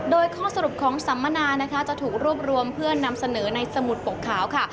โดยข้อสรุปของสัมมนาจะถูกรวบรวมเพื่อนำเสนอในสมุดปกขาวค่ะ